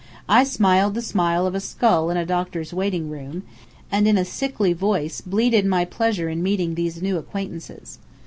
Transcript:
I smiled the smile of a skull in a doctor's waiting room, and in a sickly voice bleated my pleasure in meeting these new acquaintances.